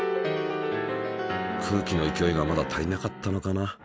空気の勢いがまだ足りなかったのかな？